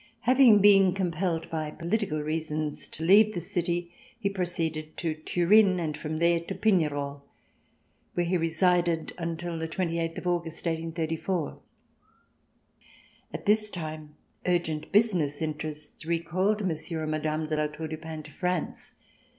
Having been compelled by political reasons to leave this city, he proceeded to Turin and from there to Pignerol, where he remained until the twenty eighth of August, 1834. At this time urgent business interests recalled Monsieur and Madame de La Tour du Pin to France.